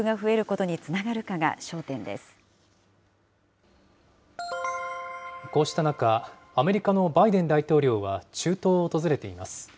こうした中、アメリカのバイデン大統領は中東を訪れています。